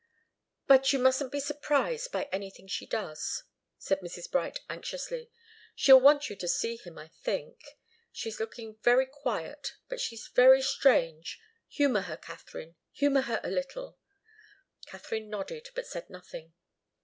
"But you mustn't be surprised by anything she does," said Mrs. Bright, anxiously. "She'll want you to see him, I think. She's looking very quiet, but she's very strange. Humour her, Katharine humour her a little." Katharine nodded, but said nothing.